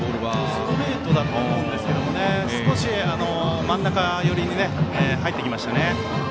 ストレートだと思うんですけど、少し真ん中寄りに入ってきましたね。